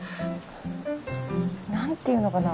何ていうのかな。